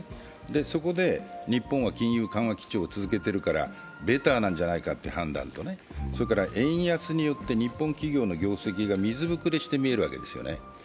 そこで、日本は金融緩和基調を続けているからベターなんじゃないかという判断と、それから円安によって日本企業の業績が水膨れして見えるわけですよね。